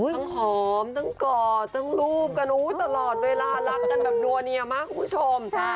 หอมทั้งกอดทั้งรูปกันตลอดเวลารักกันแบบนัวเนียมากคุณผู้ชม